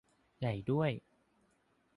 ใหญ่ด้วย